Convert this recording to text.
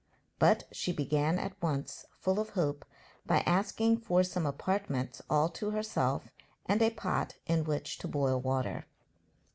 But she began at once, full of hope, by asking for some apartments all to herself and a pot in which to boil water.